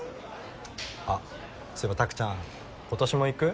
あっそういえば拓ちゃん今年も行く？